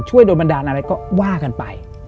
ช่วยโดนบันดาลอะไรก็ว่ากันไป